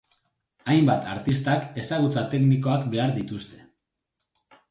Hainbat artistak ezagutza teknikoak behar dituzte.